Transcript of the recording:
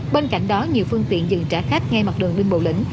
bên cạnh đó nhiều phương tiện dừng trả khách ngay mặt đường đi bộ lĩnh